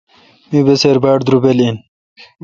می بسِر باڑدربل این۔